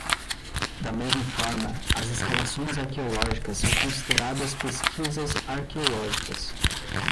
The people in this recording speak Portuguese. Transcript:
Da mesma forma, as escavações arqueológicas são consideradas pesquisas arqueológicas.